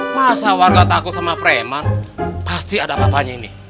masa warga takut sama preman pasti ada bapaknya ini